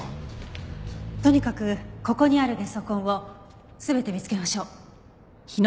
とにかくここにあるゲソ痕を全て見つけましょう。